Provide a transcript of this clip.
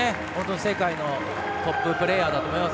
世界のトッププレーヤーだと思います。